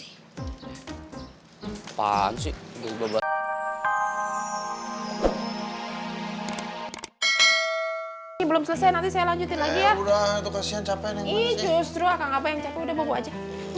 ih justru akan apa yang capek udah bobo aja